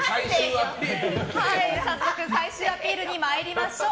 早速、最終アピールに参りましょう。